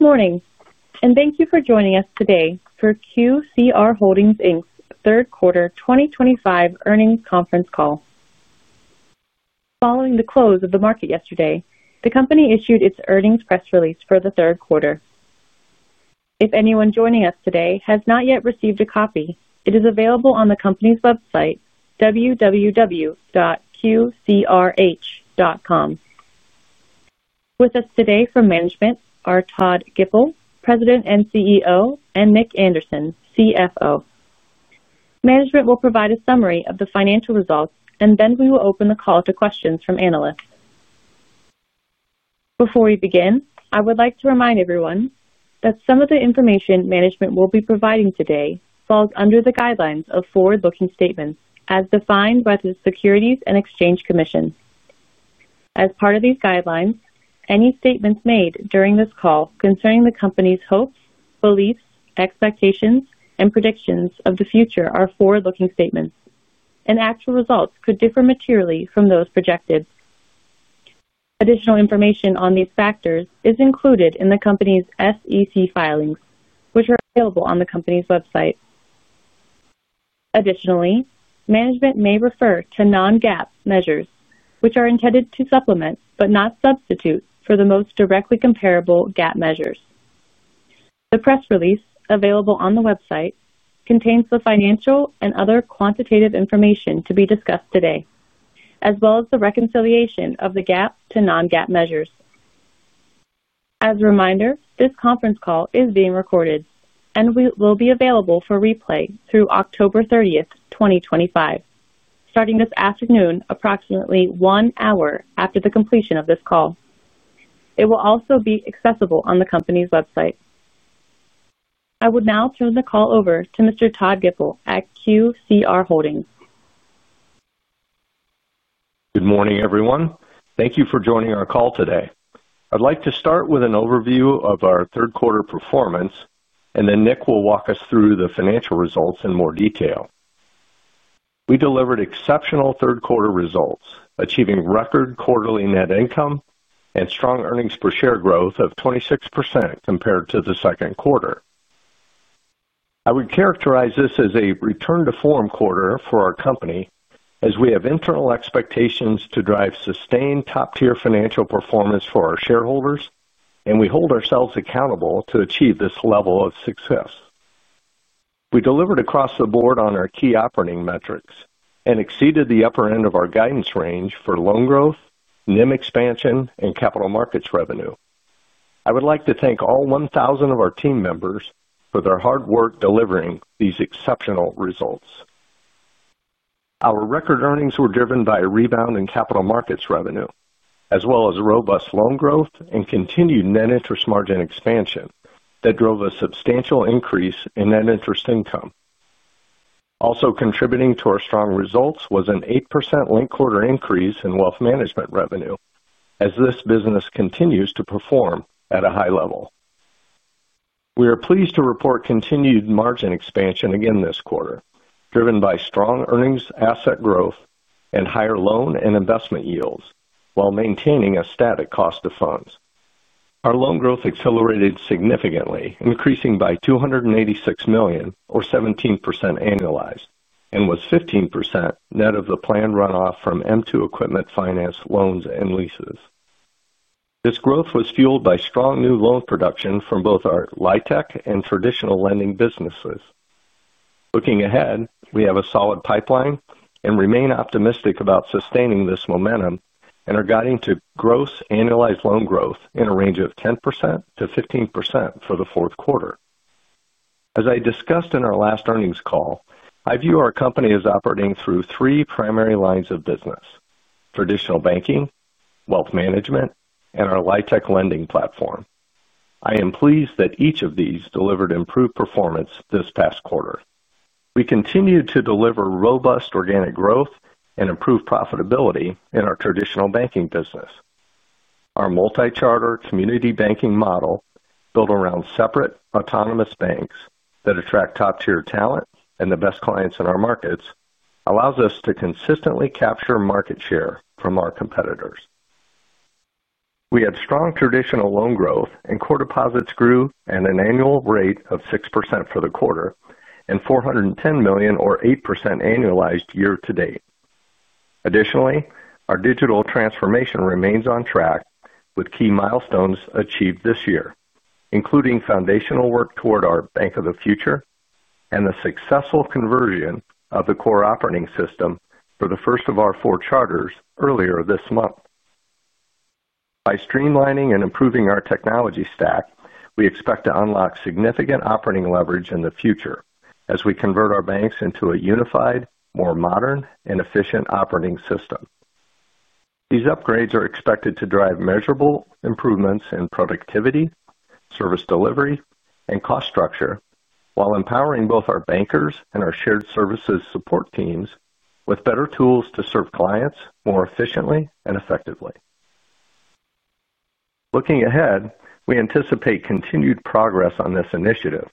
Good morning, and thank you for joining us today for QCR Holdings, Inc.'s third quarter 2025 earnings conference call. Following the close of the market yesterday, the company issued its earnings press release for the third quarter. If anyone joining us today has not yet received a copy, it is available on the company's website, www.qcrh.com. With us today from management are Todd Gipple, President and CEO, and Nick Anderson, CFO. Management will provide a summary of the financial results, and then we will open the call to questions from analysts. Before we begin, I would like to remind everyone that some of the information management will be providing today falls under the guidelines of forward-looking statements as defined by the Securities and Exchange Commission. As part of these guidelines, any statements made during this call concerning the company's hopes, beliefs, expectations, and predictions of the future are forward-looking statements, and actual results could differ materially from those projected. Additional information on these factors is included in the company's SEC filings, which are available on the company's website. Additionally, management may refer to non-GAAP measures, which are intended to supplement but not substitute for the most directly comparable GAAP measures. The press release, available on the website, contains the financial and other quantitative information to be discussed today, as well as the reconciliation of the GAAP to non-GAAP measures. As a reminder, this conference call is being recorded and will be available for replay through October 30th, 2025, starting this afternoon approximately one hour after the completion of this call. It will also be accessible on the company's website. I would now turn the call over to Mr. Todd Gipple at QCR Holdings. Good morning, everyone. Thank you for joining our call today. I'd like to start with an overview of our third-quarter performance, and then Nick will walk us through the financial results in more detail. We delivered exceptional third-quarter results, achieving record quarterly net income and strong earnings per share growth of 26% compared to the second quarter. I would characterize this as a return-to-form quarter for our company, as we have internal expectations to drive sustained top-tier financial performance for our shareholders, and we hold ourselves accountable to achieve this level of success. We delivered across the board on our key operating metrics and exceeded the upper end of our guidance range for loan growth, NIM expansion, and capital markets revenue. I would like to thank all 1,000 of our team members for their hard work delivering these exceptional results. Our record earnings were driven by a rebound in capital markets revenue, as well as robust loan growth and continued net interest margin expansion that drove a substantial increase in net interest income. Also contributing to our strong results was an 8% late-quarter increase in wealth management revenue, as this business continues to perform at a high level. We are pleased to report continued margin expansion again this quarter, driven by strong earnings asset growth and higher loan and investment yields while maintaining a static cost of funds. Our loan growth accelerated significantly, increasing by $286 million, or 17% annualized, and was 15% net of the planned runoff from M2 Equipment Finance loans and leases. This growth was fueled by strong new loan production from both our LIHTC and traditional lending businesses. Looking ahead, we have a solid pipeline and remain optimistic about sustaining this momentum and are guiding to gross annualized loan growth in a range of 10%-15% for the fourth quarter. As I discussed in our last earnings call, I view our company as operating through three primary lines of business: traditional banking, wealth management, and our LIHTC lending platform. I am pleased that each of these delivered improved performance this past quarter. We continue to deliver robust organic growth and improved profitability in our traditional banking business. Our multi-charter community banking model, built around separate autonomous banks that attract top-tier talent and the best clients in our markets, allows us to consistently capture market share from our competitors. We have strong traditional loan growth, and core deposits grew at an annual rate of 6% for the quarter and $410 million, or 8% annualized year-to-date. Additionally, our digital transformation remains on track with key milestones achieved this year, including foundational work toward our Bank of the Future and the successful conversion of the core operating system for the first of our four charters earlier this month. By streamlining and improving our technology stack, we expect to unlock significant operating leverage in the future as we convert our banks into a unified, more modern, and efficient operating system. These upgrades are expected to drive measurable improvements in productivity, service delivery, and cost structure, while empowering both our bankers and our shared services support teams with better tools to serve clients more efficiently and effectively. Looking ahead, we anticipate continued progress on this initiative,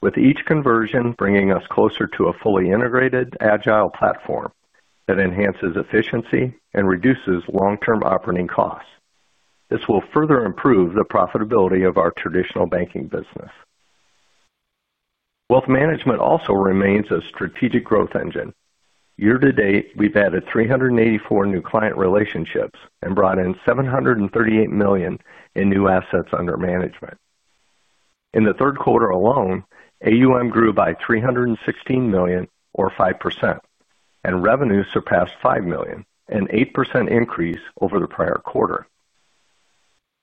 with each conversion bringing us closer to a fully integrated, agile platform that enhances efficiency and reduces long-term operating costs. This will further improve the profitability of our traditional banking business. Wealth Management also remains a strategic growth engine. Year-to-date, we've added 384 new client relationships and brought in $738 million in new assets under management. In the third quarter alone, assets under management grew by $316 million, or 5%, and revenue surpassed $5 million, an 8% increase over the prior quarter.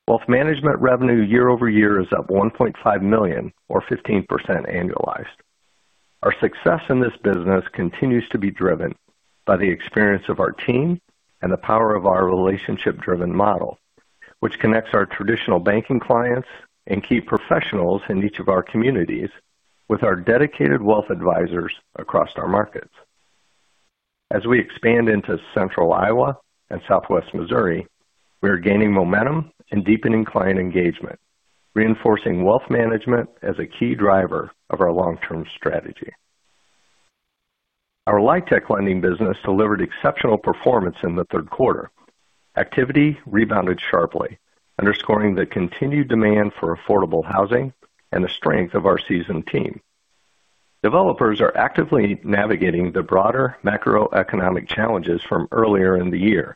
Wealth Management revenue year-over-year is up $1.5 million, or 15% annualized. Our success in this business continues to be driven by the experience of our team and the power of our relationship-driven model, which connects our traditional banking clients and key professionals in each of our communities with our dedicated wealth advisors across our markets. As we expand into central Iowa and southwest Missouri, we are gaining momentum and deepening client engagement, reinforcing Wealth Management as a key driver of our long-term strategy. Our LIHTC lending business delivered exceptional performance in the third quarter. Activity rebounded sharply, underscoring the continued demand for affordable housing and the strength of our seasoned team. Developers are actively navigating the broader macroeconomic challenges from earlier in the year,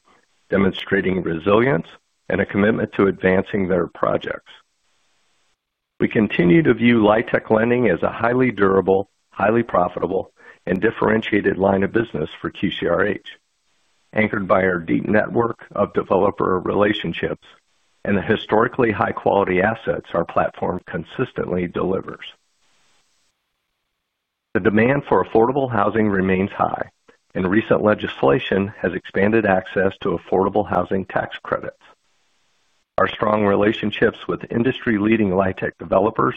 demonstrating resilience and a commitment to advancing their projects. We continue to view LIHTC lending as a highly durable, highly profitable, and differentiated line of business for QCR Holdings, anchored by our deep network of developer relationships and the historically high-quality assets our platform consistently delivers. The demand for affordable housing remains high, and recent legislation has expanded access to affordable housing tax credits. Our strong relationships with industry-leading LIHTC developers,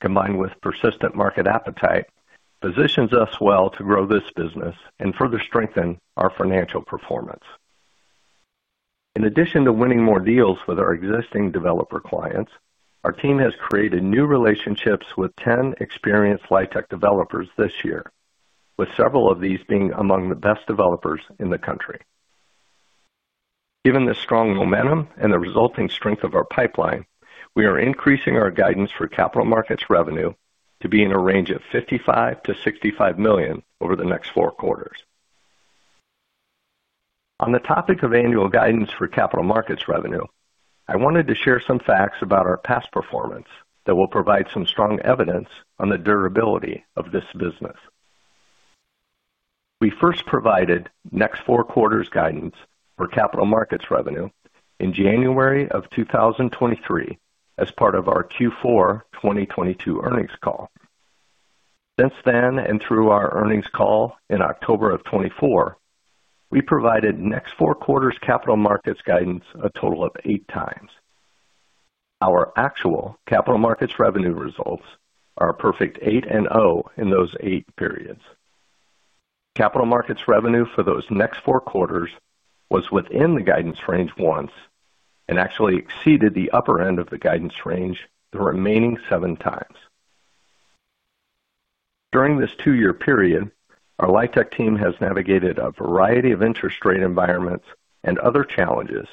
combined with persistent market appetite, position us well to grow this business and further strengthen our financial performance. In addition to winning more deals with our existing developer clients, our team has created new relationships with 10 experienced LIHTC developers this year, with several of these being among the best developers in the country. Given the strong momentum and the resulting strength of our pipeline, we are increasing our guidance for capital markets revenue to be in a range of $55 million-$65 million over the next four quarters. On the topic of annual guidance for capital markets revenue, I wanted to share some facts about our past performance that will provide some strong evidence on the durability of this business. We first provided next four quarters guidance for capital markets revenue in January of 2023 as part of our Q4 2022 earnings call. Since then, and through our earnings call in October of 2024, we provided next four quarters capital markets guidance a total of 8x. Our actual capital markets revenue results are a perfect 8 and 0 in those eight periods. Capital markets revenue for those next four quarters was within the guidance range once and actually exceeded the upper end of the guidance range the remaining 7x. During this two-year period, our LIHTC team has navigated a variety of interest rate environments and other challenges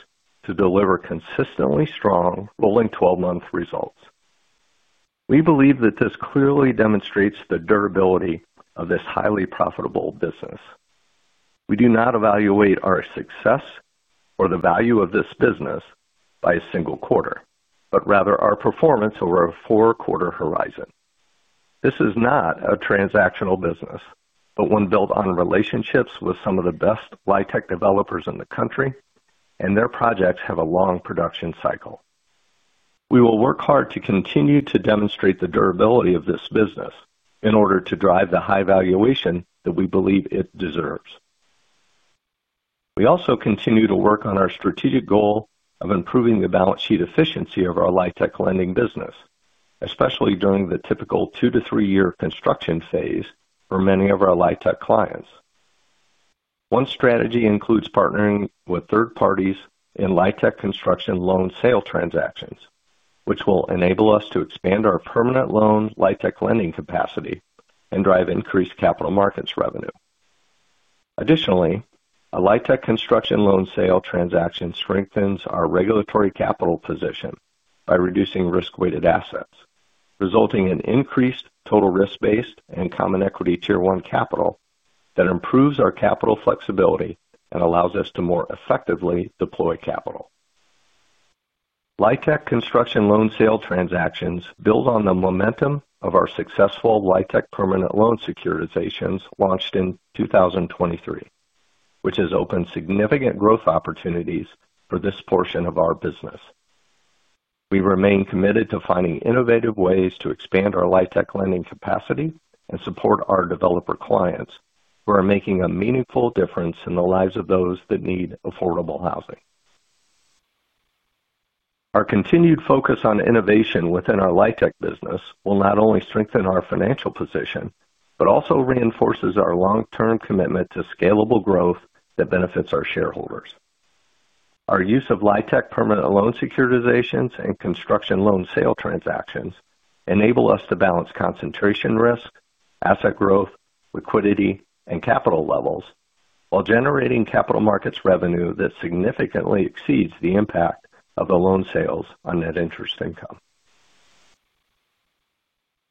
to deliver consistently strong rolling 12-month results. We believe that this clearly demonstrates the durability of this highly profitable business. We do not evaluate our success or the value of this business by a single quarter, but rather our performance over a four-quarter horizon. This is not a transactional business, but one built on relationships with some of the best LIHTC developers in the country, and their projects have a long production cycle. We will work hard to continue to demonstrate the durability of this business in order to drive the high valuation that we believe it deserves. We also continue to work on our strategic goal of improving the balance sheet efficiency of our LIHTC lending business, especially during the typical two to three-year construction phase for many of our LIHTC clients. One strategy includes partnering with third parties in LIHTC construction loan sale transactions, which will enable us to expand our permanent loan LIHTC lending capacity and drive increased capital markets revenue. Additionally, a LIHTC construction loan sale transaction strengthens our regulatory capital position by reducing risk-weighted assets, resulting in increased total risk-based and common equity tier one capital that improves our capital flexibility and allows us to more effectively deploy capital. LIHTC construction loan sale transactions build on the momentum of our successful LIHTC permanent loan securitizations launched in 2023, which has opened significant growth opportunities for this portion of our business. We remain committed to finding innovative ways to expand our LIHTC lending capacity and support our developer clients who are making a meaningful difference in the lives of those that need affordable housing. Our continued focus on innovation within our LIHTC business will not only strengthen our financial position but also reinforce our long-term commitment to scalable growth that benefits our shareholders. Our use of LIHTC permanent loan securitizations and construction loan sale transactions enable us to balance concentration risk, asset growth, liquidity, and capital levels while generating capital markets revenue that significantly exceeds the impact of the loan sales on net interest income.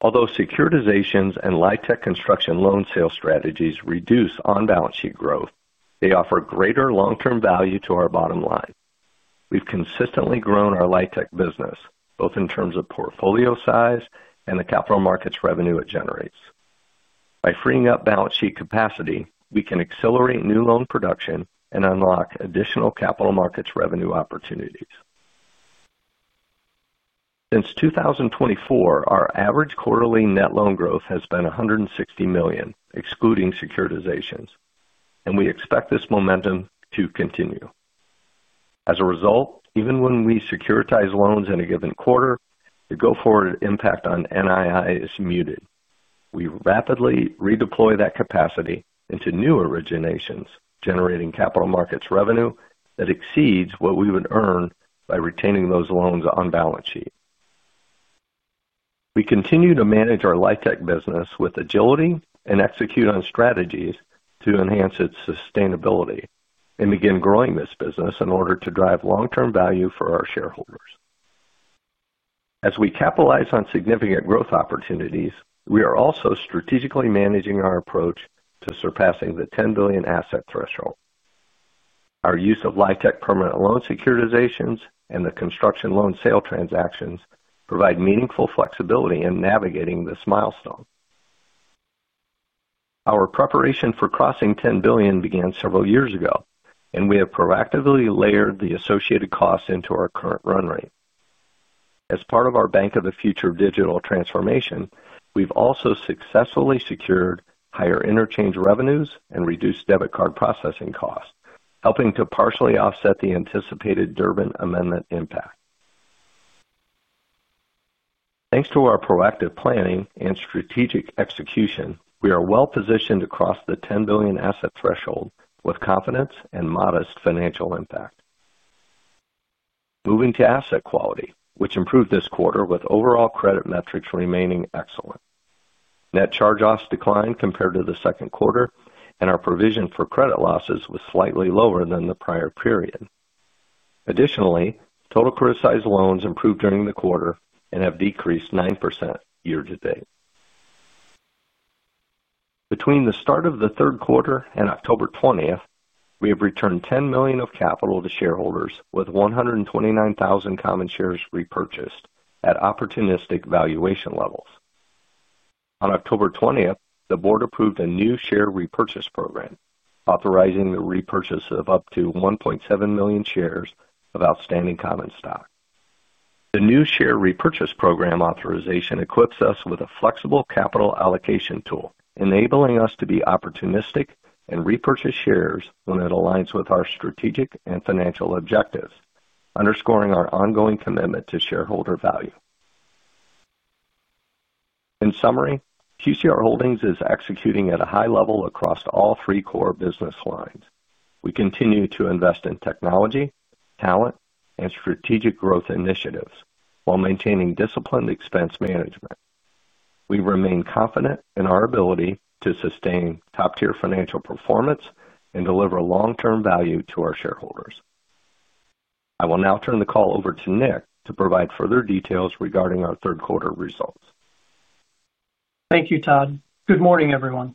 Although securitizations and LIHTC construction loan sale strategies reduce on-balance sheet growth, they offer greater long-term value to our bottom line. We've consistently grown our LIHTC business, both in terms of portfolio size and the capital markets revenue it generates. By freeing up balance sheet capacity, we can accelerate new loan production and unlock additional capital markets revenue opportunities. Since 2024, our average quarterly net loan growth has been $160 million, excluding securitizations, and we expect this momentum to continue. As a result, even when we securitize loans in a given quarter, the go-forward impact on NII is muted. We rapidly redeploy that capacity into new originations, generating capital markets revenue that exceeds what we would earn by retaining those loans on balance sheet. We continue to manage our LIHTC business with agility and execute on strategies to enhance its sustainability and begin growing this business in order to drive long-term value for our shareholders. As we capitalize on significant growth opportunities, we are also strategically managing our approach to surpassing the $10 billion asset threshold. Our use of LIHTC permanent loan securitizations and the construction loan sale transactions provide meaningful flexibility in navigating this milestone. Our preparation for crossing $10 billion began several years ago, and we have proactively layered the associated costs into our current run rate. As part of our Bank of the Future digital transformation, we've also successfully secured higher interchange revenues and reduced debit card processing costs, helping to partially offset the anticipated Durbin Amendment impact. Thanks to our proactive planning and strategic execution, we are well positioned to cross the $10 billion asset threshold with confidence and modest financial impact. Moving to asset quality, which improved this quarter with overall credit metrics remaining excellent. Net charge-offs declined compared to the second quarter, and our provision for credit losses was slightly lower than the prior period. Additionally, total criticized loans improved during the quarter and have decreased 9% year-to-date. Between the start of the third quarter and October 20th, we have returned $10 million of capital to shareholders with 129,000 common shares repurchased at opportunistic valuation levels. On October 20, the board approved a new share repurchase program, authorizing the repurchase of up to 1.7 million shares of outstanding common stock. The new share repurchase program authorization equips us with a flexible capital allocation tool, enabling us to be opportunistic and repurchase shares when it aligns with our strategic and financial objectives, underscoring our ongoing commitment to shareholder value. In summary, QCR Holdings is executing at a high level across all three core business lines. We continue to invest in technology, talent, and strategic growth initiatives while maintaining disciplined expense management. We remain confident in our ability to sustain top-tier financial performance and deliver long-term value to our shareholders. I will now turn the call over to Nick to provide further details regarding our third quarter results. Thank you, Todd. Good morning, everyone.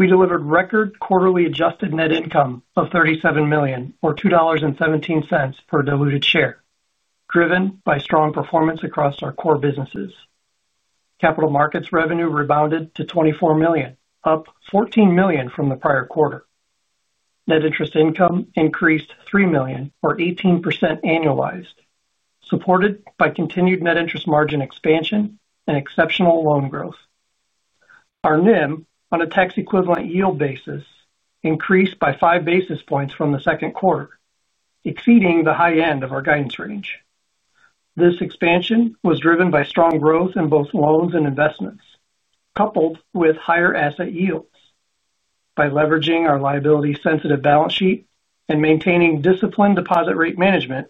We delivered record quarterly adjusted net income of $37 million, or $2.17 per diluted share, driven by strong performance across our core businesses. Capital markets revenue rebounded to $24 million, up $14 million from the prior quarter. Net interest income increased $3 million, or 18% annualized, supported by continued net interest margin expansion and exceptional loan growth. Our NIM on a tax-equivalent yield basis increased by five basis points from the second quarter, exceeding the high end of our guidance range. This expansion was driven by strong growth in both loans and investments, coupled with higher asset yields. By leveraging our liability-sensitive balance sheet and maintaining disciplined deposit rate management,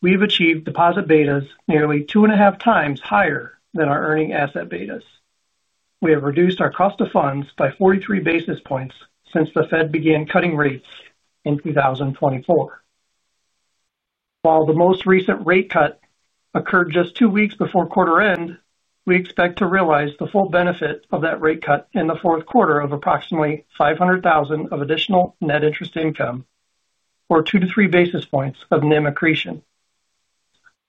we have achieved deposit betas nearly two and a half times higher than our earning asset betas. We have reduced our cost of funds by 43 basis points since the Fed began cutting rates in 2024. While the most recent rate cut occurred just two weeks before quarter end, we expect to realize the full benefit of that rate cut in the fourth quarter of approximately $500,000 of additional net interest income or two to three basis points of NIM accretion.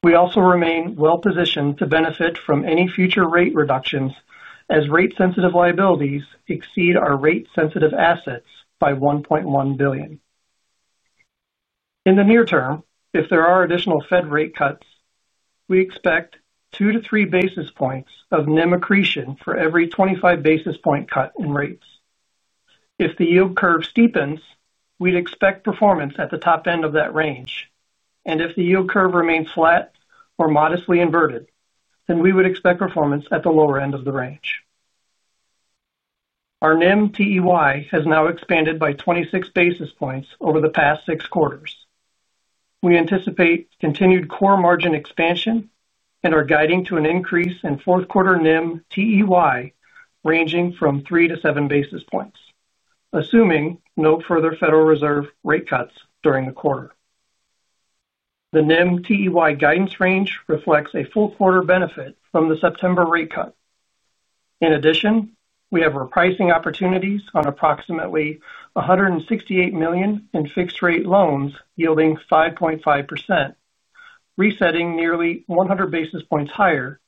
We also remain well positioned to benefit from any future rate reductions as rate-sensitive liabilities exceed our rate-sensitive assets by $1.1 billion. In the near term, if there are additional Fed rate cuts, we expect 2-3 basis points of NIM accretion for every 25 basis point cut in rates. If the yield curve steepens, we'd expect performance at the top end of that range, and if the yield curve remains flat or modestly inverted, then we would expect performance at the lower end of the range. Our NIM TEY has now expanded by 26 basis points over the past six quarters. We anticipate continued core margin expansion and are guiding to an increase in fourth quarter NIM TEY ranging from three to seven basis points, assuming no further Federal Reserve rate cuts during the quarter. The NIM TEY guidance range reflects a full quarter benefit from the September rate cut. In addition, we have repricing opportunities on approximately $168 million in fixed-rate loans yielding 5.5%, resetting nearly 100 basis points higher,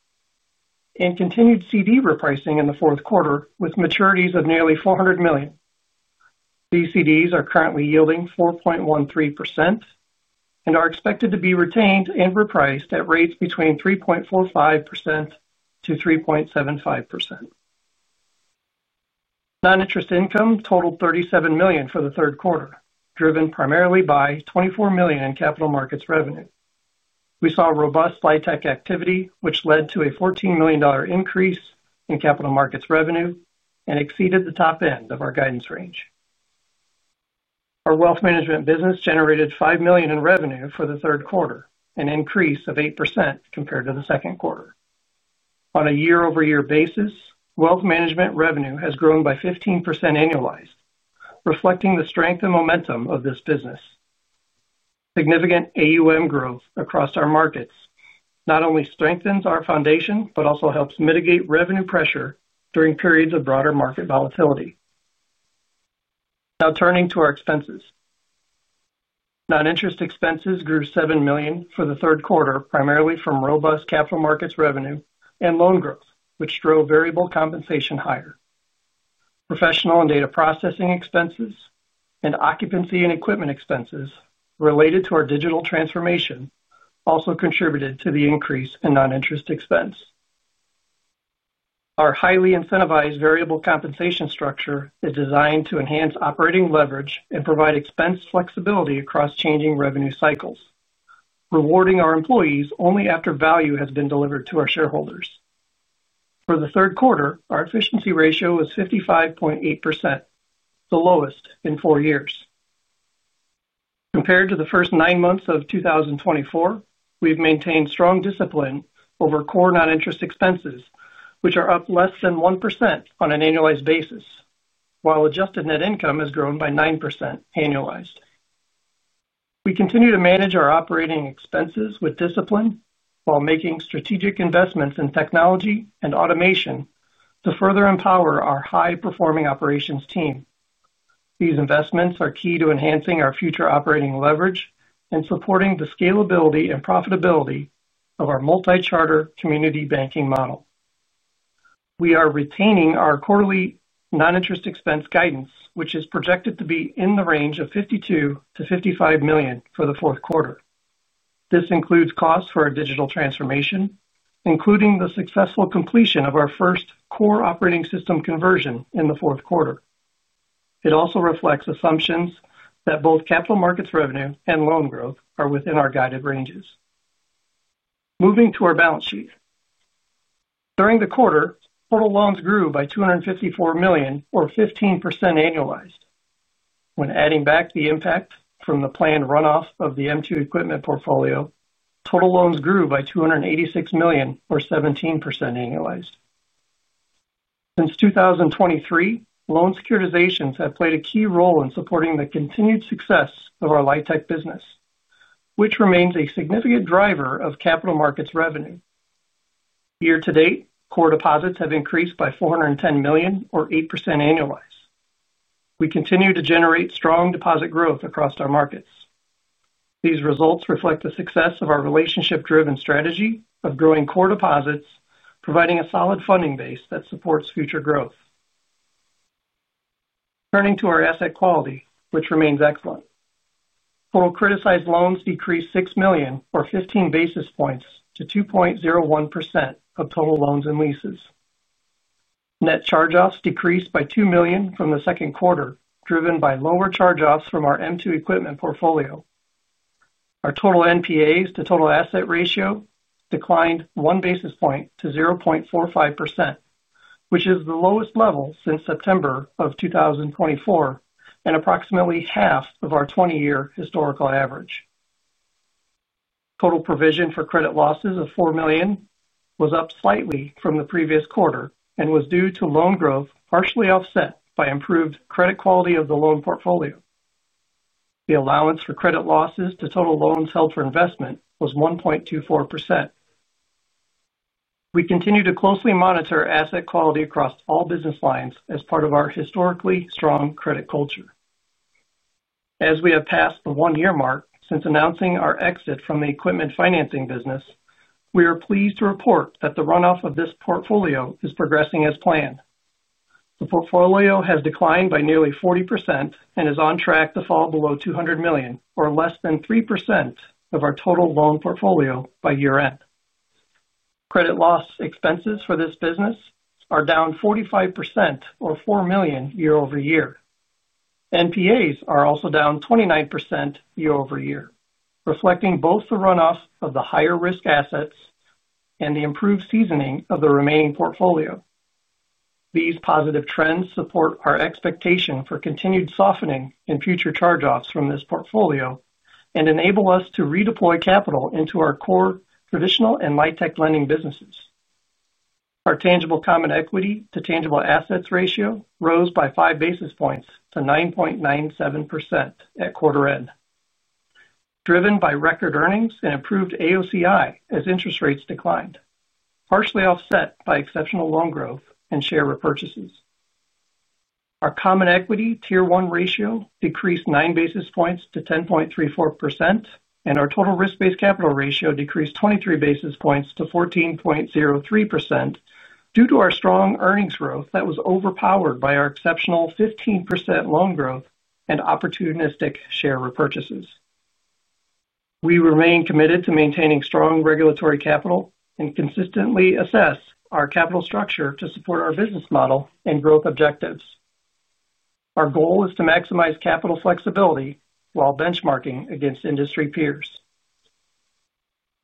and continued CD repricing in the fourth quarter with maturities of nearly $400 million. These CDs are currently yielding 4.13% and are expected to be retained and repriced at rates between 3.45%-3.75%. Non-interest income totaled $37 million for the third quarter, driven primarily by $24 million in capital markets revenue. We saw robust LIHTC activity, which led to a $14 million increase in capital markets revenue and exceeded the top end of our guidance range. Our wealth management business generated $5 million in revenue for the third quarter, an increase of 8% compared to the second quarter. On a year-over-year basis, wealth management revenue has grown by 15% annualized, reflecting the strength and momentum of this business. Significant assets under management growth across our markets not only strengthens our foundation but also helps mitigate revenue pressure during periods of broader market volatility. Now turning to our expenses, non-interest expenses grew $7 million for the third quarter, primarily from robust capital markets revenue and loan growth, which drove variable compensation higher. Professional and data processing expenses and occupancy and equipment expenses related to our digital transformation also contributed to the increase in non-interest expense. Our highly incentivized variable compensation structure is designed to enhance operating leverage and provide expense flexibility across changing revenue cycles, rewarding our employees only after value has been delivered to our shareholders. For the third quarter, our efficiency ratio was 55.8%, the lowest in four years. Compared to the first nine months of 2024, we've maintained strong discipline over core non-interest expenses, which are up less than 1% on an annualized basis, while adjusted net income has grown by 9% annualized. We continue to manage our operating expenses with discipline while making strategic investments in technology and automation to further empower our high-performing operations team. These investments are key to enhancing our future operating leverage and supporting the scalability and profitability of our multi-charter community banking model. We are retaining our quarterly non-interest expense guidance, which is projected to be in the range of $52 million-$55 million for the fourth quarter. This includes costs for our digital transformation, including the successful completion of our first core system conversion in the fourth quarter. It also reflects assumptions that both capital markets revenue and loan growth are within our guided ranges. Moving to our balance sheet, during the quarter, total loans grew by $254 million, or 15% annualized. When adding back the impact from the planned runoff of the M2 Equipment Finance portfolio, total loans grew by $286 million, or 17% annualized. Since 2023, loan securitizations have played a key role in supporting the continued success of our LIHTC lending platform, which remains a significant driver of capital markets revenue. Year-to-date, core deposits have increased by $410 million, or 8% annualized. We continue to generate strong deposit growth across our markets. These results reflect the success of our relationship-driven strategy of growing core deposits, providing a solid funding base that supports future growth. Turning to our asset quality, which remains excellent, total criticized loans decreased $6 million, or 15 basis points, to 2.01% of total loans and leases. Net charge-offs decreased by $2 million from the second quarter, driven by lower charge-offs from our M2 Equipment Finance portfolio. Our total NPAs to total asset ratio declined one basis point to 0.45%, which is the lowest level since September of 2024 and approximately half of our 20-year historical average. Total provision for credit losses of $4 million was up slightly from the previous quarter and was due to loan growth partially offset by improved credit quality of the loan portfolio. The allowance for credit losses to total loans held for investment was 1.24%. We continue to closely monitor asset quality across all business lines as part of our historically strong credit culture. As we have passed the one-year mark since announcing our exit from the equipment financing business, we are pleased to report that the runoff of this portfolio is progressing as planned. The portfolio has declined by nearly 40% and is on track to fall below $200 million, or less than 3% of our total loan portfolio by year-end. Credit loss expenses for this business are down 45%, or $4 million year-over-year. NPAs are also down 29% year-over-year, reflecting both the runoff of the higher risk assets and the improved seasoning of the remaining portfolio. These positive trends support our expectation for continued softening in future charge-offs from this portfolio and enable us to redeploy capital into our core traditional and LIHTC lending businesses. Our tangible common equity to tangible assets ratio rose by five basis points to 9.97% at quarter end, driven by record earnings and improved AOCI as interest rates declined, partially offset by exceptional loan growth and share repurchases. Our common equity tier one ratio decreased nine basis points to 10.34%, and our total risk-based capital ratio decreased 23 basis points to 14.03% due to our strong earnings growth that was overpowered by our exceptional 15% loan growth and opportunistic share repurchases. We remain committed to maintaining strong regulatory capital and consistently assess our capital structure to support our business model and growth objectives. Our goal is to maximize capital flexibility while benchmarking against industry peers.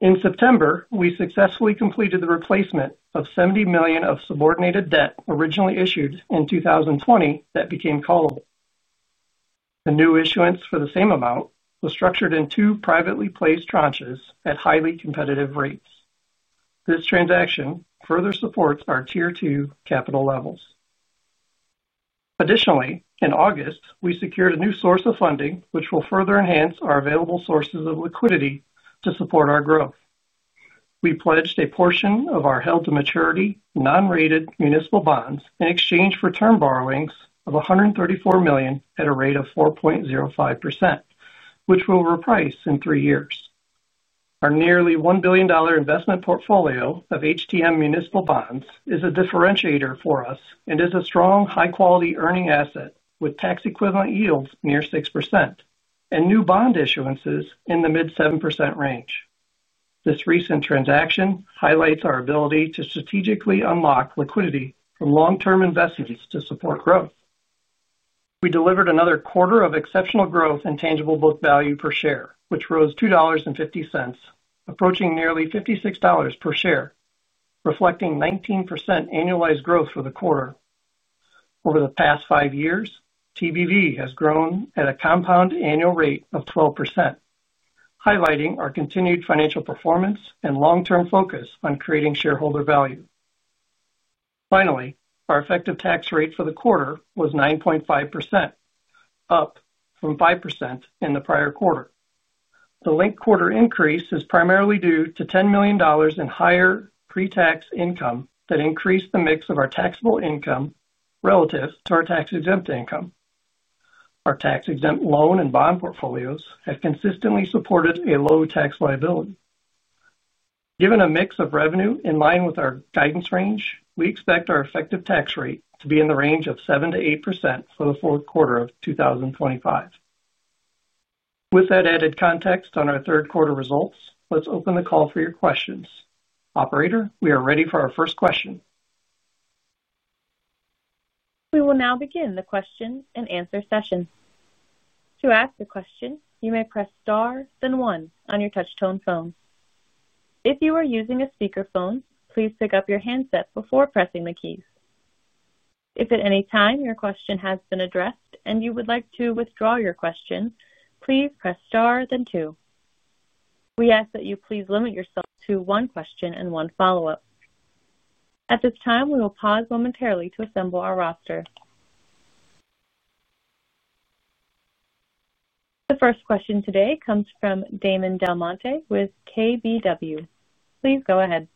In September, we successfully completed the replacement of $70 million of subordinated debt originally issued in 2020 that became call debt. The new issuance for the same amount was structured in two privately placed tranches at highly competitive rates. This transaction further supports our tier two capital levels. Additionally, in August, we secured a new source of funding, which will further enhance our available sources of liquidity to support our growth. We pledged a portion of our held-to-maturity non-rated municipal bonds in exchange for term borrowings of $134 million at a rate of 4.05%, which will reprice in three years. Our nearly $1 billion investment portfolio of HTM municipal bonds is a differentiator for us and is a strong, high-quality earning asset with tax-equivalent yields near 6% and new bond issuances in the mid-7% range. This recent transaction highlights our ability to strategically unlock liquidity from long-term investments to support growth. We delivered another quarter of exceptional growth in tangible book value per share, which rose $2.50, approaching nearly $56 per share, reflecting 19% annualized growth for the quarter. Over the past five years, TBV has grown at a compound annual rate of 12%, highlighting our continued financial performance and long-term focus on creating shareholder value. Finally, our effective tax rate for the quarter was 9.5%, up from 5% in the prior quarter. The linked quarter increase is primarily due to $10 million in higher pre-tax income that increased the mix of our taxable income relative to our tax-exempt income. Our tax-exempt loan and bond portfolios have consistently supported a low tax liability. Given a mix of revenue in line with our guidance range, we expect our effective tax rate to be in the range of 7%-8% for the fourth quarter of 2025. With that added context on our third quarter results, let's open the call for your questions. Operator, we are ready for our first question. We will now begin the question and answer session. To ask a question, you may press star, then one on your touch-tone phone. If you are using a speaker phone, please pick up your handset before pressing the keys. If at any time your question has been addressed and you would like to withdraw your question, please press star, then two. We ask that you please limit yourself to one question and one follow-up. At this time, we will pause momentarily to assemble our roster. The first question today comes from Damon DelMonte with KBW. Please go ahead.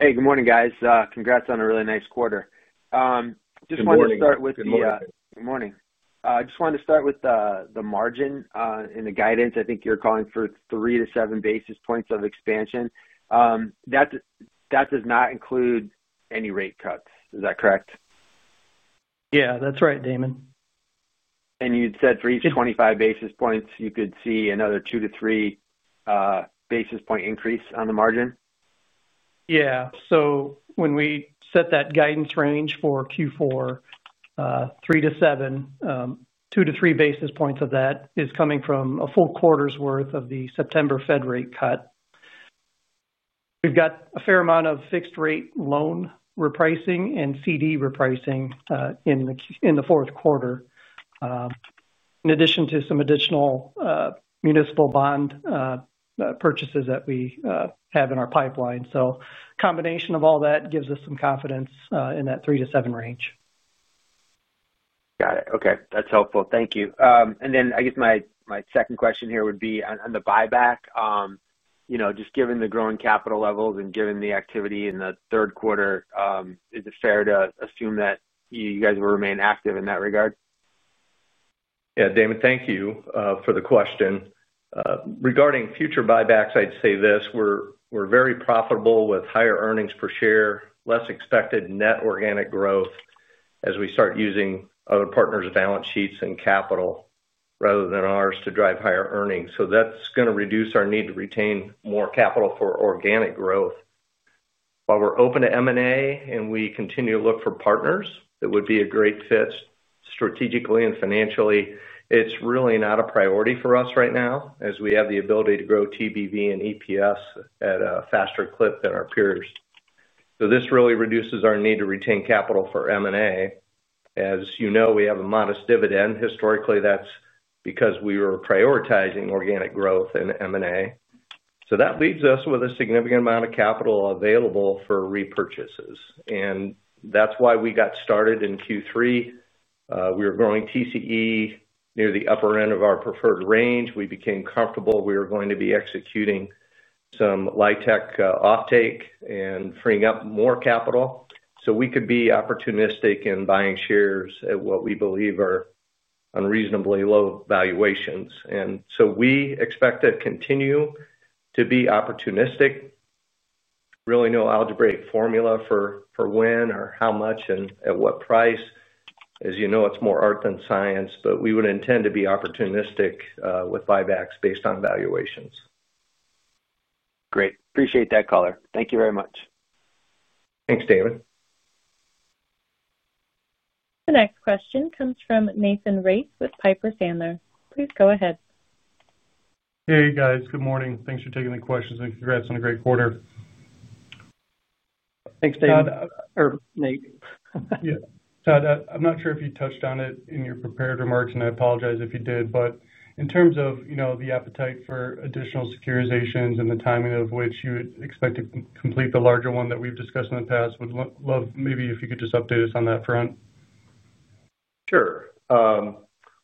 Hey, good morning, guys. Congrats on a really nice quarter. I just wanted to start with the. Morning. Morning. I just wanted to start with the margin in the guidance. I think you're calling for 3-7 basis points of expansion. That does not include any rate cuts. Is that correct? Yeah, that's right, Damon. You'd said for each 25 basis points, you could see another 2-3 basis point increase on the margin? When we set that guidance range for Q4, three to seven, two to three basis points of that is coming from a full quarter's worth of the September Fed rate cut. We have a fair amount of fixed-rate loan repricing and CD repricing in the fourth quarter, in addition to some additional municipal bond purchases that we have in our pipeline. A combination of all that gives us some confidence in that three to seven range. Got it. Okay. That's helpful. Thank you. My second question here would be on the buyback. You know, just given the growing capital levels and given the activity in the third quarter, is it fair to assume that you guys will remain active in that regard? Yeah, Damon, thank you for the question. Regarding future buybacks, I'd say this. We're very profitable with higher earnings per share, less expected net organic growth as we start using other partners' balance sheets and capital rather than ours to drive higher earnings. That's going to reduce our need to retain more capital for organic growth. While we're open to M&A and we continue to look for partners that would be a great fit strategically and financially, it's really not a priority for us right now as we have the ability to grow TBV and EPS at a faster clip than our peers. This really reduces our need to retain capital for M&A. As you know, we have a modest dividend. Historically, that's because we were prioritizing organic growth and M&A. That leaves us with a significant amount of capital available for repurchases. That's why we got started in Q3. We were growing TCE near the upper end of our preferred range. We became comfortable we were going to be executing some LIHTC offtake and freeing up more capital so we could be opportunistic in buying shares at what we believe are unreasonably low valuations. We expect to continue to be opportunistic. Really no algebraic formula for when or how much and at what price. As you know, it's more art than science, but we would intend to be opportunistic with buybacks based on valuations. Great. Appreciate that, caller. Thank you very much. Thanks, Damon. The next question comes from Nathan Race with Piper Sandler. Please go ahead. Hey, guys. Good morning. Thanks for taking the questions, and congrats on a great quarter. Thanks, Damon or Nate. Yeah. Todd, I'm not sure if you touched on it in your prepared remarks, and I apologize if you did, but in terms of the appetite for additional securitizations and the timing of which you would expect to complete the larger one that we've discussed in the past, would love maybe if you could just update us on that front. Sure.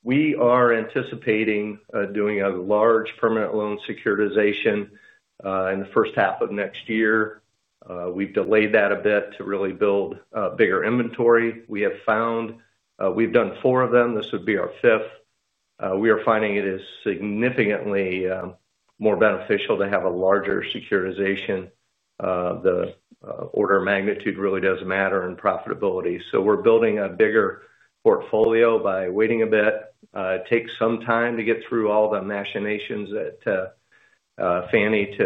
We are anticipating doing a large permanent loan securitization in the first half of next year. We've delayed that a bit to really build a bigger inventory. We have found we've done four of them. This would be our fifth. We are finding it is significantly more beneficial to have a larger securitization. The order of magnitude really does matter in profitability. We are building a bigger portfolio by waiting a bit. It takes some time to get through all the machinations that Fannie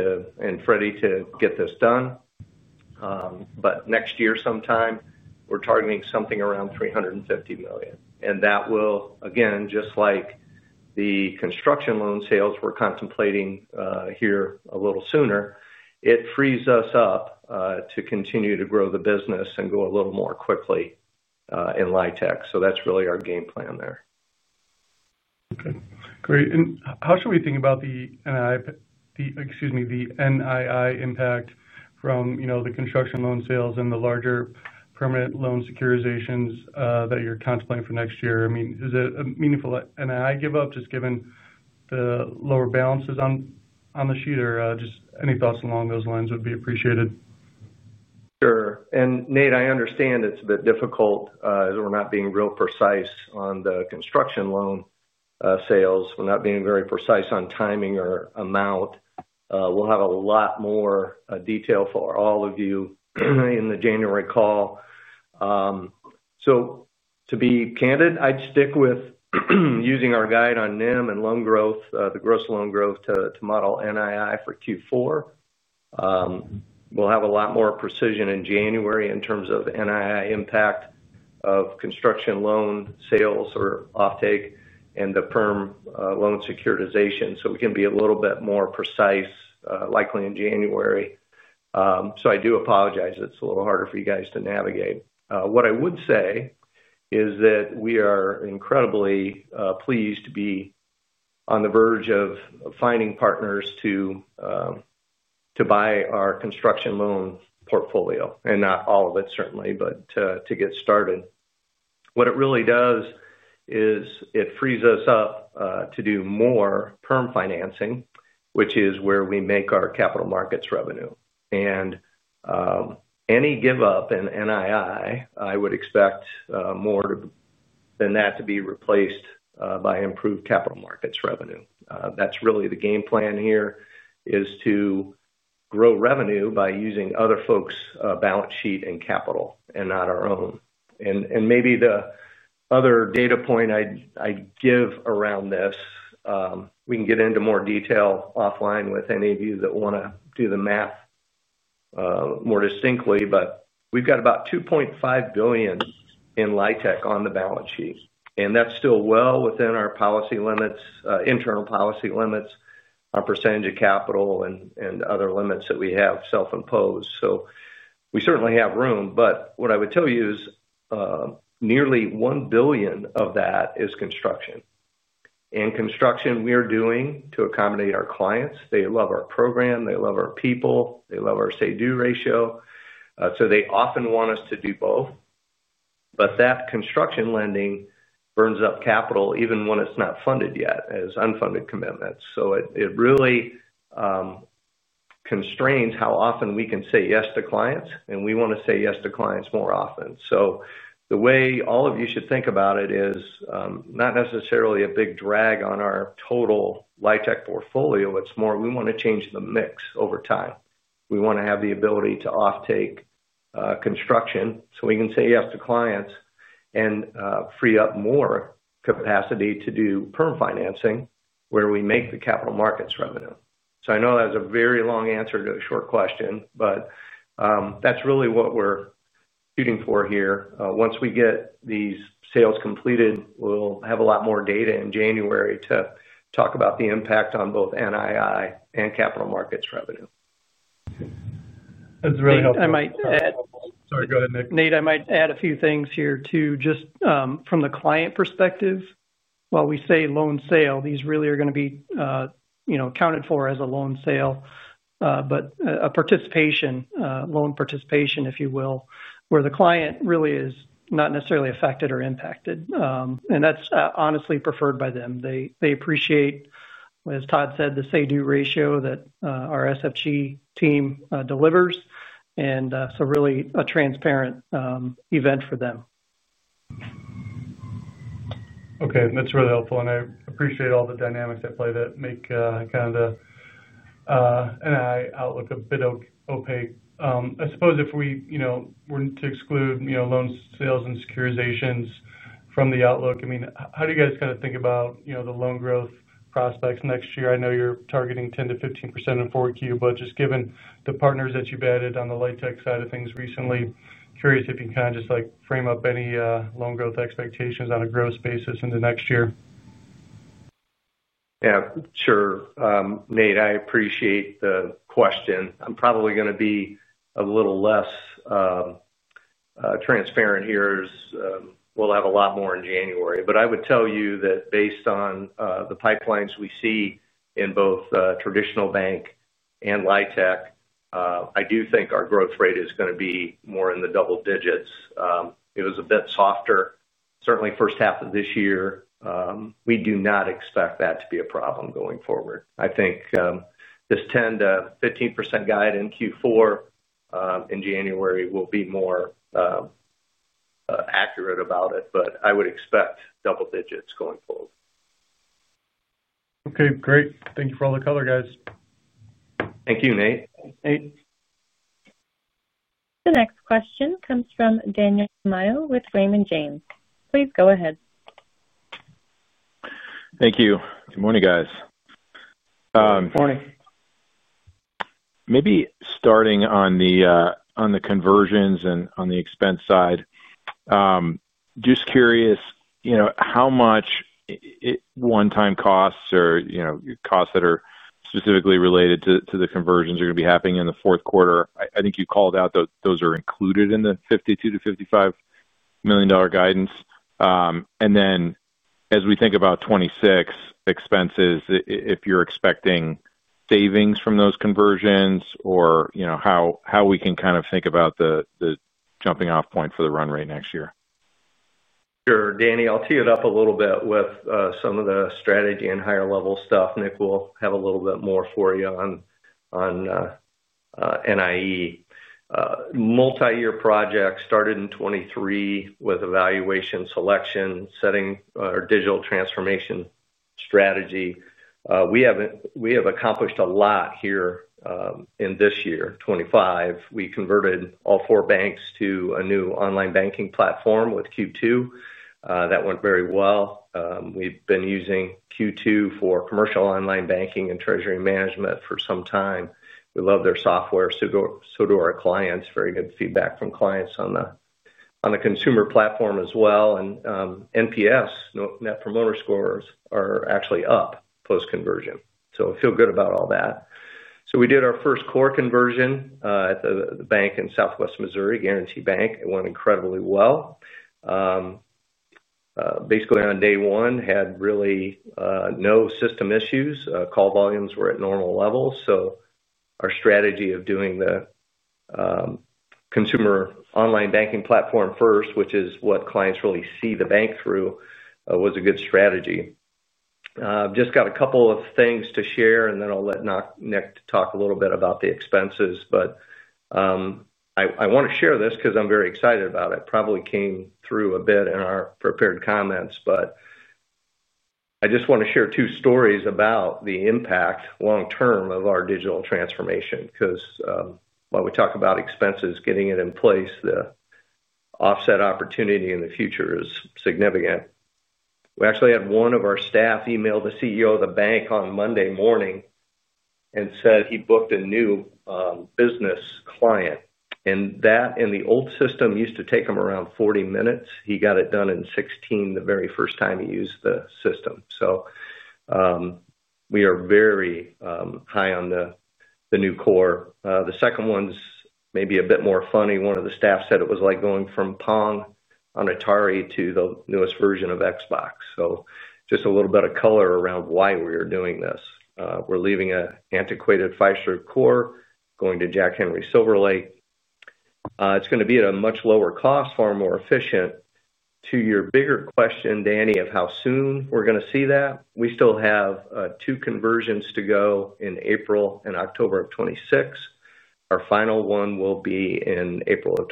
and Freddie to get this done. Next year sometime, we're targeting something around $350 million. That will, again, just like the construction loan sales we're contemplating here a little sooner, free us up to continue to grow the business and go a little more quickly in LIHTC. That's really our game plan there. Great. How should we think about the NII impact from the construction loan sales and the larger permanent loan securitizations that you're contemplating for next year? Is it a meaningful NII give-up just given the lower balances on the sheet? Any thoughts along those lines would be appreciated. Sure. Nate, I understand it's a bit difficult as we're not being real precise on the construction loan sales. We're not being very precise on timing or amount. We'll have a lot more detail for all of you in the January call. To be candid, I'd stick with using our guide on NIM and loan growth, the gross loan growth to model NII for Q4. We'll have a lot more precision in January in terms of NII impact of construction loan sales or offtake and the perm loan securitization. We can be a little bit more precise likely in January. I do apologize it's a little harder for you guys to navigate. What I would say is that we are incredibly pleased to be on the verge of finding partners to buy our construction loan portfolio, and not all of it certainly, but to get started. What it really does is it frees us up to do more perm financing, which is where we make our capital markets revenue. Any give-up in NII, I would expect more than that to be replaced by improved capital markets revenue. That's really the game plan here, to grow revenue by using other folks' balance sheet and capital and not our own. Maybe the other data point I'd give around this, we can get into more detail offline with any of you that want to do the math more distinctly, but we've got about $2.5 billion in LIHTC on the balance sheet. That's still well within our policy limits, internal policy limits, our percentage of capital, and other limits that we have self-imposed. We certainly have room, but what I would tell you is nearly $1 billion of that is construction. Construction we are doing to accommodate our clients. They love our program. They love our people. They love our say-do ratio. They often want us to do both. That construction lending burns up capital even when it's not funded yet as unfunded commitments. It really constrains how often we can say yes to clients, and we want to say yes to clients more often. The way all of you should think about it is not necessarily a big drag on our total LIHTC portfolio. We want to change the mix over time. We want to have the ability to offtake construction so we can say yes to clients and free up more capacity to do perm financing where we make the capital markets revenue. I know that's a very long answer to a short question, but that's really what we're shooting for here. Once we get these sales completed, we'll have a lot more data in January to talk about the impact on both NII and capital markets revenue. Okay. That's really helpful. Nate, I might add. Sorry, go ahead, Nick. Nate, I might add a few things here too. Just from the client perspective, while we say loan sale, these really are going to be accounted for as a loan sale, but a participation, loan participation, if you will, where the client really is not necessarily affected or impacted. That's honestly preferred by them. They appreciate, as Todd said, the say-do ratio that our SFG team delivers, so really a transparent event for them. Okay. That's really helpful. I appreciate all the dynamics at play that make kind of the NII outlook a bit opaque. I suppose if we were to exclude loan sales and securitizations from the outlook, how do you guys kind of think about the loan growth prospects next year? I know you're targeting 10%- 15% in the fourth quarter, but just given the partners that you've added on the LIHTC side of things recently, curious if you can kind of just frame up any loan growth expectations on a gross basis into next year. Yeah, sure. Nate, I appreciate the question. I'm probably going to be a little less transparent here as we'll have a lot more in January. I would tell you that based on the pipelines we see in both traditional bank and LIHTC, I do think our growth rate is going to be more in the double digits. It was a bit softer, certainly first half of this year. We do not expect that to be a problem going forward. I think this 10%-15% guide in Q4 in January will be more accurate about it, but I would expect double digits going forward. Okay. Great. Thank you for all the color, guys. Thank you, Nate. Nate? The next question comes from Daniel Tamayo with Raymond James. Please go ahead. Thank you. Good morning, guys. Morning. Maybe starting on the conversions and on the expense side, just curious how much one-time costs or costs that are specifically related to the conversions are going to be happening in the fourth quarter. I think you called out that those are included in the $52 million-$55 million guidance. As we think about 2026 expenses, if you're expecting savings from those conversions or how we can kind of think about the jumping-off point for the run rate next year. Sure. Danny, I'll tee it up a little bit with some of the strategy and higher-level stuff. Nick will have a little bit more for you on NII. Multi-year projects started in 2023 with evaluation selection, setting our digital transformation strategy. We have accomplished a lot here in this year, 2025. We converted all four banks to a new online banking platform with Q2. That went very well. We've been using Q2 for commercial online banking and treasury management for some time. We love their software, so do our clients. Very good feedback from clients on the consumer platform as well. NPS, net promoter scores, are actually up post-conversion. I feel good about all that. We did our first core conversion at the bank in southwest Missouri, Guarantee Bank. It went incredibly well. Basically, on day one, had really no system issues. Call volumes were at normal levels. Our strategy of doing the consumer online banking platform first, which is what clients really see the bank through, was a good strategy. I've just got a couple of things to share, and then I'll let Nick talk a little bit about the expenses. I want to share this because I'm very excited about it. It probably came through a bit in our prepared comments, but I just want to share two stories about the impact long-term of our digital transformation. While we talk about expenses, getting it in place, the offset opportunity in the future is significant. We actually had one of our staff email the CEO of the bank on Monday morning and said he booked a new business client. In the old system, it used to take him around 40 minutes. He got it done in 16 the very first time he used the system. We are very high on the new core. The second one's maybe a bit more funny. One of the staff said it was like going from Pong on Atari to the newest version of Xbox. Just a little bit of color around why we are doing this. We're leaving an antiquated Fiserv core going to Jack Henry SilverLake. It's going to be at a much lower cost, far more efficient. To your bigger question, Danny, of how soon we're going to see that, we still have two conversions to go in April and October of 2026. Our final one will be in April of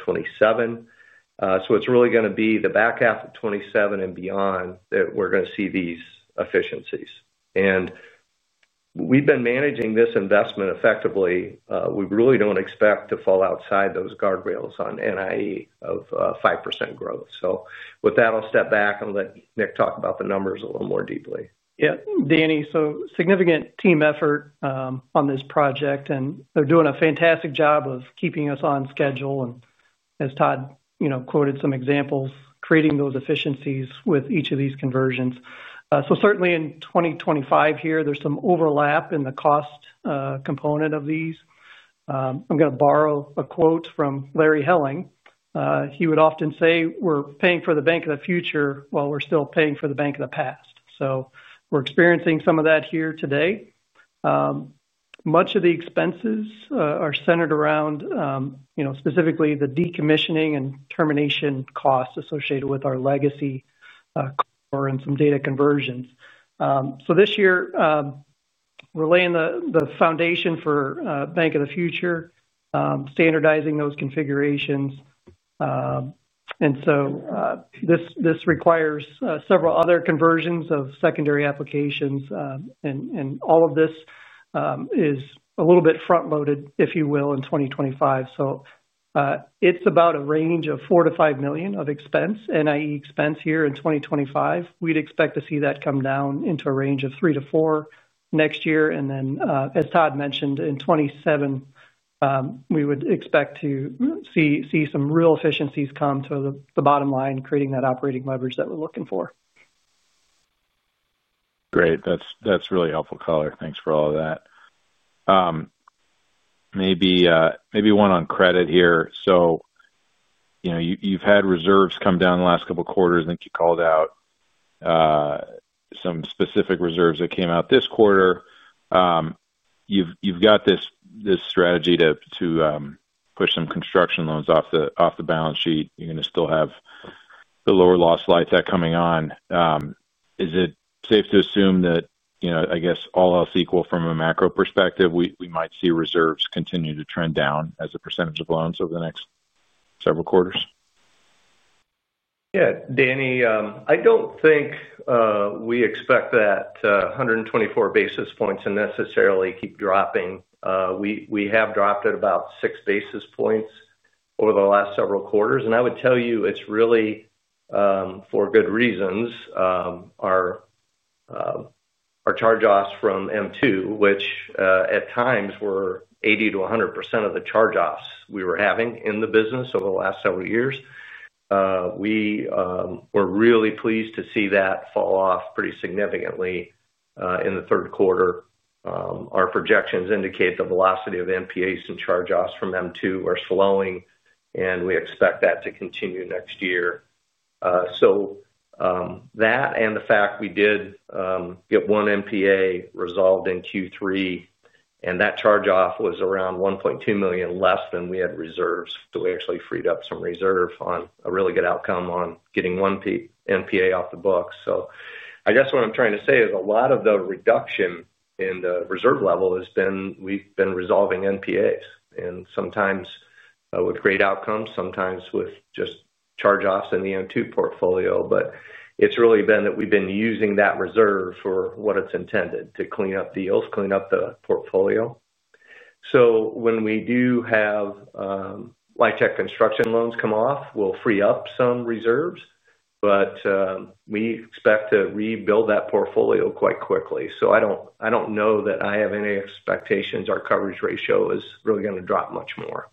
2027. It's really going to be the back half of 2027 and beyond that we're going to see these efficiencies. We've been managing this investment effectively. We really don't expect to fall outside those guardrails on NII of 5% growth. With that, I'll step back and let Nick talk about the numbers a little more deeply. Yeah. Danny, significant team effort on this project. They're doing a fantastic job of keeping us on schedule. As Todd quoted some examples, creating those efficiencies with each of these conversions. Certainly in 2025, there's some overlap in the cost component of these. I'm going to borrow a quote from Larry Helling. He would often say, "We're paying for the bank of the future while we're still paying for the bank of the past." We're experiencing some of that here today. Much of the expenses are centered around specifically the decommissioning and termination costs associated with our legacy core and some data conversions. This year, we're laying the foundation for Bank of the Future, standardizing those configurations. This requires several other conversions of secondary applications. All of this is a little bit front-loaded, if you will, in 2025. It's about a range of $4 million-$5 million of NII expense in 2025. We'd expect to see that come down into a range of $3 million-$4 million next year. As Todd mentioned, in 2027, we would expect to see some real efficiencies come to the bottom line, creating that operating leverage that we're looking for. Great. That's really helpful, caller. Thanks for all of that. Maybe one on credit here. You've had reserves come down the last couple of quarters. I think you called out some specific reserves that came out this quarter. You've got this strategy to push some construction loans off the balance sheet. You're going to still have the lower loss slide that coming on. Is it safe to assume that, all else equal from a macro perspective, we might see reserves continue to trend down as a percentage of loans over the next several quarters? Yeah. Danny, I don't think we expect that 124 basis points to necessarily keep dropping. We have dropped at about 6 basis points over the last several quarters, and I would tell you it's really for good reasons. Our charge-offs from M2 Equipment Finance, which at times were 80%-100% of the charge-offs we were having in the business over the last several years, we were really pleased to see that fall off pretty significantly in the third quarter. Our projections indicate the velocity of NPAs and charge-offs from M2 Equipment Finance are slowing, and we expect that to continue next year. That and the fact we did get one NPA resolved in Q3, and that charge-off was around $1.2 million less than we had reserves. We actually freed up some reserve on a really good outcome on getting one NPA off the books. I guess what I'm trying to say is a lot of the reduction in the reserve level has been we've been resolving NPAs, and sometimes with great outcomes, sometimes with just charge-offs in the M2 Equipment Finance portfolio. It's really been that we've been using that reserve for what it's intended, to clean up the portfolio. When we do have LIHTC construction loans come off, we'll free up some reserves, but we expect to rebuild that portfolio quite quickly. I don't know that I have any expectations our coverage ratio is really going to drop much more.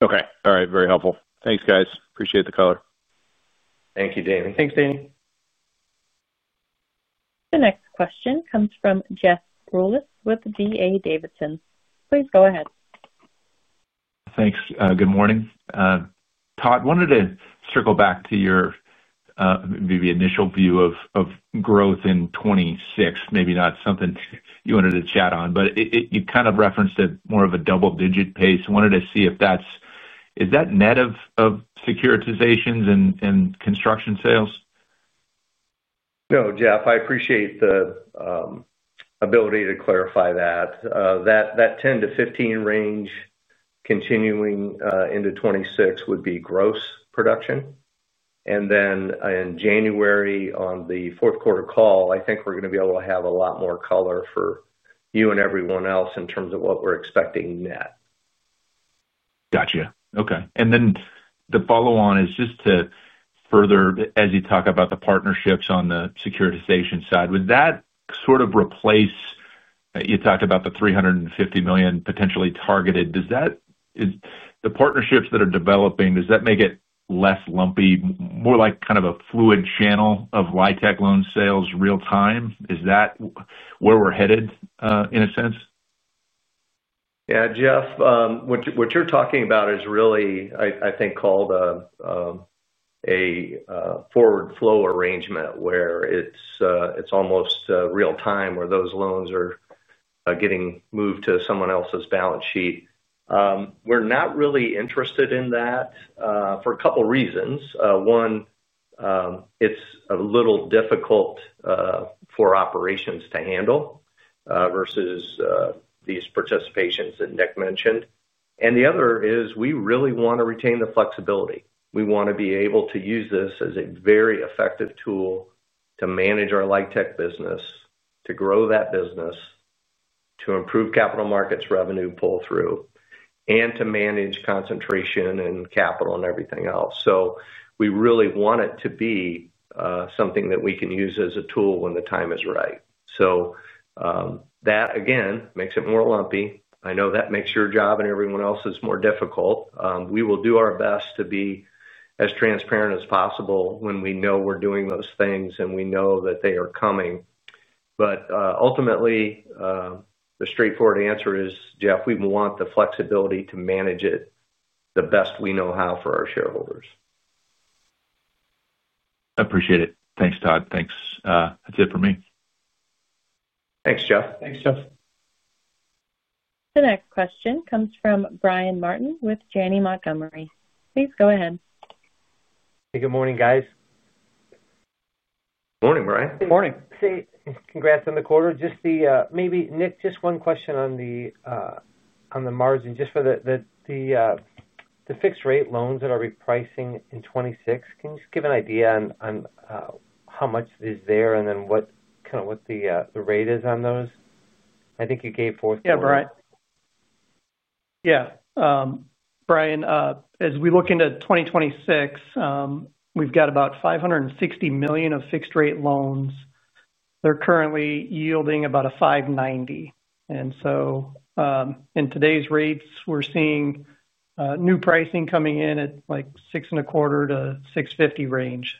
Okay. All right. Very helpful. Thanks, guys. Appreciate the color. Thank you, Danny. Thanks, Danny. The next question comes from Jeff Rulis with D.A. Davidson. Please go ahead. Thanks. Good morning. Todd, I wanted to circle back to your maybe initial view of growth in 2026, maybe not something you wanted to chat on, but you kind of referenced it more of a double-digit pace. I wanted to see if that's net of securitizations and construction sales? No, Jeff, I appreciate the ability to clarify that. That 10%-15% range continuing into 2026 would be gross production. In January on the fourth quarter call, I think we're going to be able to have a lot more color for you and everyone else in terms of what we're expecting net. Gotcha. Okay. The follow-on is just to further, as you talk about the partnerships on the securitization side, would that sort of replace you talked about the $350 million potentially targeted. Does that, is the partnerships that are developing, does that make it less lumpy, more like kind of a fluent channel of LIHTC loan sales real-time? Is that where we're headed in a sense? Yeah, Jeff, what you're talking about is really, I think, called a forward flow arrangement where it's almost real-time where those loans are getting moved to someone else's balance sheet. We're not really interested in that for a couple of reasons. One, it's a little difficult for operations to handle versus these participations that Nick mentioned. The other is we really want to retain the flexibility. We want to be able to use this as a very effective tool to manage our LIHTC business, to grow that business, to improve capital markets revenue pull-through, and to manage concentration and capital and everything else. We really want it to be something that we can use as a tool when the time is right. That, again, makes it more lumpy. I know that makes your job and everyone else's more difficult. We will do our best to be as transparent as possible when we know we're doing those things and we know that they are coming. Ultimately, the straightforward answer is, Jeff, we want the flexibility to manage it the best we know how for our shareholders. I appreciate it. Thanks, Todd. Thanks. That's it for me. Thanks, Jeff. Thanks, Jeff. The next question comes from Brian Martin with Janney Montgomery. Please go ahead. Hey, good morning, guys. Morning, Brian. Morning. Hey, congrats on the quarter. Nick, just one question on the margin, just for the fixed-rate loans that are repricing in 2026. Can you just give an idea on how much is there and then what kind of what the rate is on those? I think you gave fourth quarter. Yeah, right. Brian, as we look into 2026, we've got about $560 million of fixed-rate loans. They're currently yielding about a 5.90%. In today's rates, we're seeing new pricing coming in at like 6.50%-6.50% range.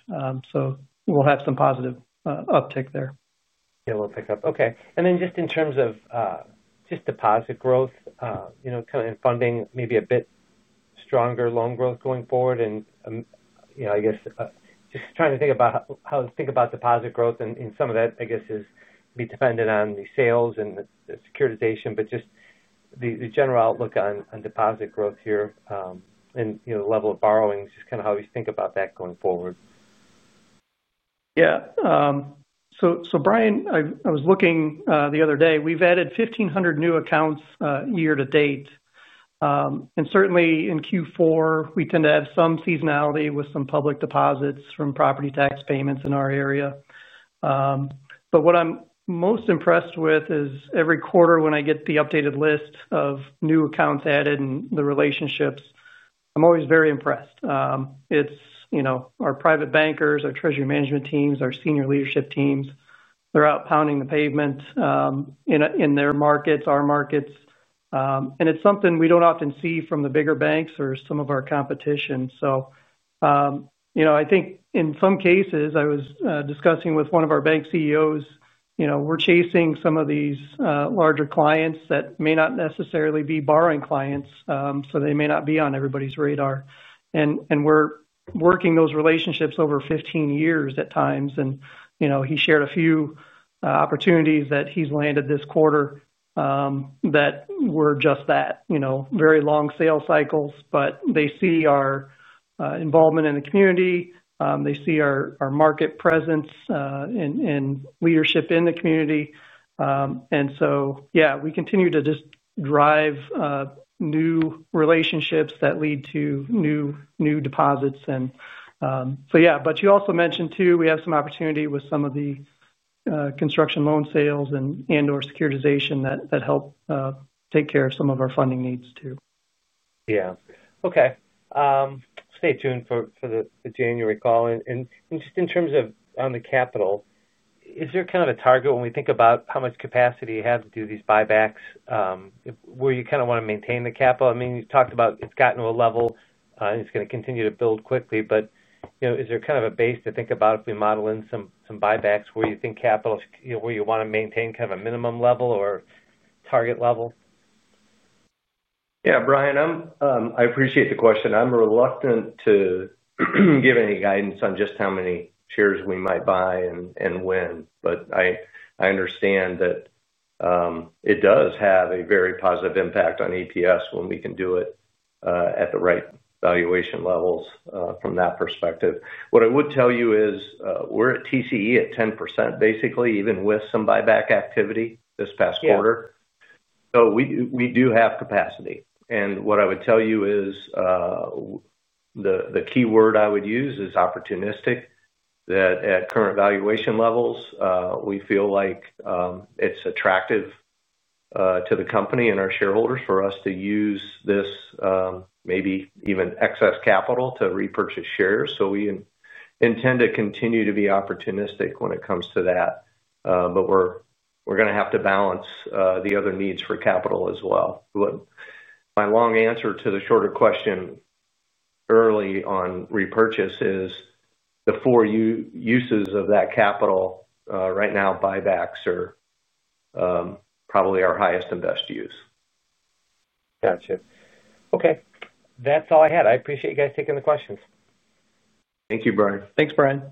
We'll have some positive uptick there. Okay. In terms of deposit growth, kind of in funding, maybe a bit stronger loan growth going forward. I guess just trying to think about how to think about deposit growth. Some of that, I guess, is dependent on the sales and the securitization, but just the general outlook on deposit growth here and the level of borrowing is just kind of how we think about that going forward. Yeah. Brian, I was looking the other day. We've added 1,500 new accounts year-to-date. In Q4, we tend to have some seasonality with some public deposits from property tax payments in our area. What I'm most impressed with is every quarter when I get the updated list of new accounts added and the relationships, I'm always very impressed. Our private bankers, our treasury management teams, our senior leadership teams, they're out pounding the pavement in their markets, our markets. It's something we don't often see from the bigger banks or some of our competition. I think in some cases, I was discussing with one of our bank CEOs, we're chasing some of these larger clients that may not necessarily be borrowing clients, so they may not be on everybody's radar. We're working those relationships over 15 years at times. He shared a few opportunities that he's landed this quarter that were just that, very long sales cycles, but they see our involvement in the community. They see our market presence and leadership in the community. We continue to just drive new relationships that lead to new deposits. You also mentioned we have some opportunity with some of the construction loan sales and/or securitization that help take care of some of our funding needs too. Okay. Stay tuned for the January call. In terms of the capital, is there kind of a target when we think about how much capacity you have to do these buybacks where you kind of want to maintain the capital? You talked about it's gotten to a level and it's going to continue to build quickly, but is there kind of a base to think about if we model in some buybacks where you think capital, where you want to maintain kind of a minimum level or target level? Yeah, Brian, I appreciate the question. I'm reluctant to give any guidance on just how many shares we might buy and when, but I understand that it does have a very positive impact on EPS when we can do it at the right valuation levels from that perspective. What I would tell you is we're at TCE at 10%, basically, even with some buyback activity this past quarter. We do have capacity. What I would tell you is the keyword I would use is opportunistic, that at current valuation levels, we feel like it's attractive to the company and our shareholders for us to use this maybe even excess capital to repurchase shares. We intend to continue to be opportunistic when it comes to that, but we're going to have to balance the other needs for capital as well. My long answer to the shorter question early on repurchase is the four uses of that capital. Right now, buybacks are probably our highest and best use. Gotcha. Okay, that's all I had. I appreciate you guys taking the questions. Thank you, Brian. Thanks, Brian.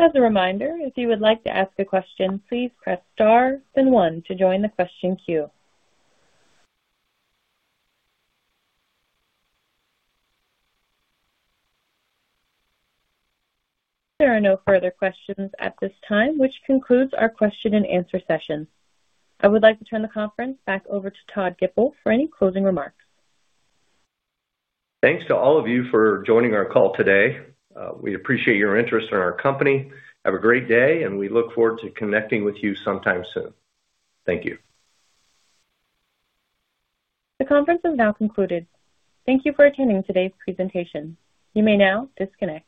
As a reminder, if you would like to ask a question, please press star and one to join the question queue. There are no further questions at this time, which concludes our question and answer session. I would like to turn the conference back over to Todd Gipple for any closing remarks. Thanks to all of you for joining our call today. We appreciate your interest in our company. Have a great day, and we look forward to connecting with you sometime soon. Thank you. The conference is now concluded. Thank you for attending today's presentation. You may now disconnect.